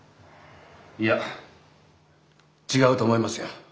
いや違うと思いますよ。